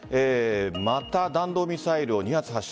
また弾道ミサイルを２発発射。